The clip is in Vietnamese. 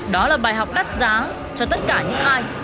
đó là bài học đắt giá cho tất cả những ai